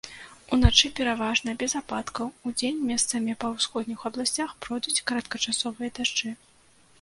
Уначы пераважна без ападкаў, удзень месцамі па ўсходніх абласцях пройдуць кароткачасовыя дажджы.